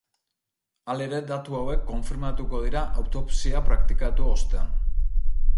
Halere datu hauek konfirmatuko dira autopsia praktikatu ostean.